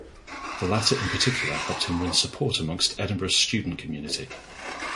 The latter in particular helped him win support amongst Edinburgh's student community.